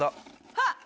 はっ！